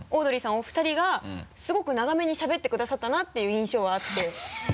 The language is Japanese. お二人がすごく長めにしゃべってくださったなっていう印象はあって。